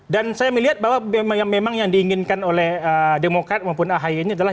saya melihat bahwa memang yang diinginkan oleh demokrat maupun ahy ini adalah